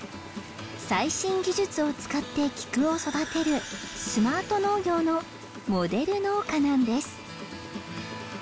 最新技術を使ってキクを育てるスマート農業のモデル農家なんです。